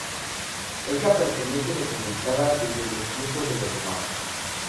La isla aparece documentada desde los tiempos de los romanos.